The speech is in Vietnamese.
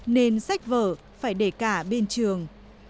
nên sách vở phải để cả bên trường